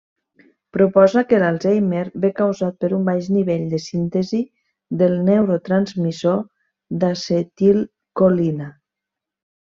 Proposa que l'Alzheimer ve causat per un baix nivell de síntesi del neurotransmissor d'acetilcolina.